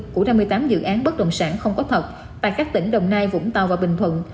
của năm mươi tám dự án bất động sản không có thật tại các tỉnh đồng nai vũng tàu và bình thuận